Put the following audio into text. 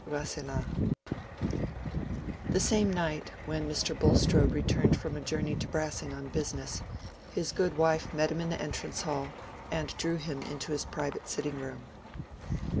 —Rasselas. The same night, when Mr. Bulstrode returned from a journey to Brassing on business, his good wife met him in the entrance hall and drew him into his private sitting room.